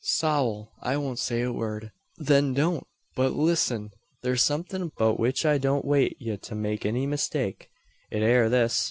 "Sowl! I won't say a word." "Then don't, but lissen! Thur's somethin 'bout which I don't wait ye to make any mistake. It air this.